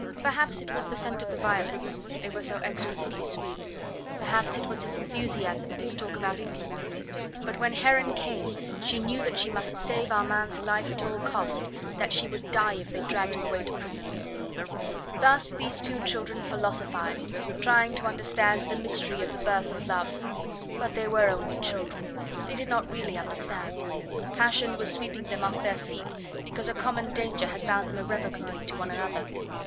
perhaps it was the scent of the violets... they were so exquisitely sweet... perhaps it was his enthusiasm and his talk about England... but when Heron came she knew that she must save Armand's life at all cost... that she would die if they dragged him away to prison. Thus these two children philosophised, trying to understand the mystery of the birth of Love. But they were only children; they did not really understand. Passion was sweeping them off their feet, because a common danger had bound them irrevocably to one another.